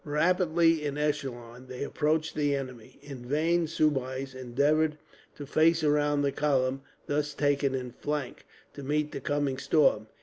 Rapidly, in echelon, they approached the enemy. In vain Soubise endeavoured to face round the column, thus taken in flank, to meet the coming storm.